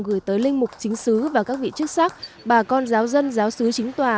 gửi tới linh mục chính xứ và các vị chức sắc bà con giáo dân giáo sứ chính tòa